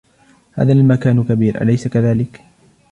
هذا المكان كبير ، أليس كذلك ؟